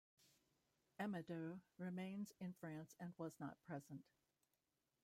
Amadou remained in France and was not present.